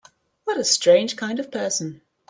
What a strange kind of person!